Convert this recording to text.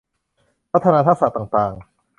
พัฒนาทักษะต่างต่าง